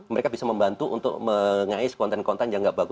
mereka bisa membantu untuk mengais konten kontennya